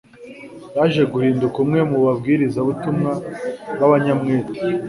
yaje guhinduka umwe mu babwiriza butumwa b'abanyamwete